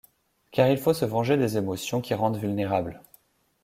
Car il faut se venger des émotions qui rendent vulnérables.